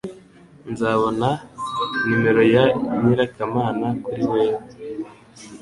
Nzabona numero ya nyirakamana kuri wewe